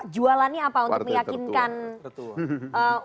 jualannya apa untuk meyakinkan pemilih milenial yang ingin diperlindungi